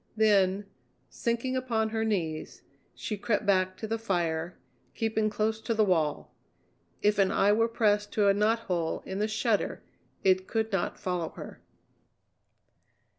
Then, sinking upon her knees, she crept back to the fire, keeping close to the wall. If an eye were pressed to a knothole in the shutter it could not follow her.